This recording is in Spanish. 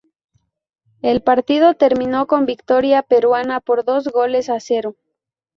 El partido terminó con victoria peruana por dos goles a cero.